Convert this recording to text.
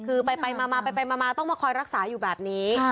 คือไปมาต้องมาคอยรักษาอยู่แบบนี้